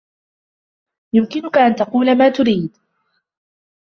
يُمكِنَك أن تقول ما تريد.